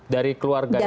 dari keluarga yang pertama